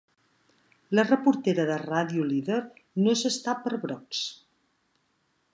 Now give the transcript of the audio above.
La reportera de Ràdio Líder no s'està per brocs.